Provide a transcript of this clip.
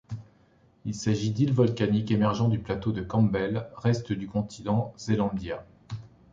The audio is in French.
Il s'agit d'îles volcaniques émergeant du plateau de Campbell, reste du continent Zealandia.